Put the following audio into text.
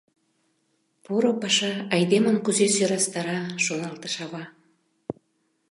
«Поро паша айдемым кузе сӧрастара», — шоналтыш ава.